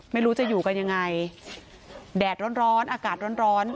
ไม่รู้จะอยู่กันยังไงแดดร้อนร้อนอากาศร้อนร้อน